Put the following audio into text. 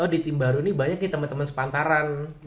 oh di tim baru ini banyak nih temen temen sepantaran